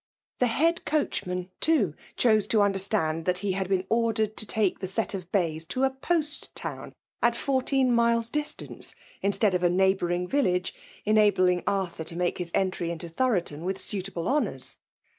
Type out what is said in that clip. The head coachman, too, chose to under atand that he had been ordered to take the set of bays to a post town at fourteen miles distance, instead of a neigfaboariog village, raabttiig Arthur to make his entvy into Tho . PBMALB DOIitNATlOH. 283 Toton with snitable honmiTs.